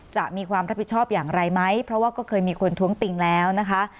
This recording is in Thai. จะมีความรับผิดชอบอย่างไรไหมเพราะว่าก็เคยมีคนท้วงติงแล้วนะคะ